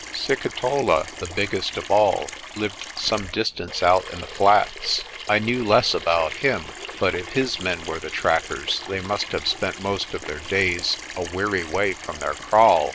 Sikitola, the biggest of all, lived some distance out in the flats. I knew less about him; but if his men were the trackers, they must have spent most of their days a weary way from their kraal.